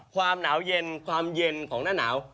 ความหนาวเย็นความเย็นของหน้าหนาว